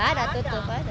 enggak ada tutup